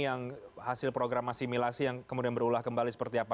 yang hasil program asimilasi yang kemudian berulah kembali seperti apa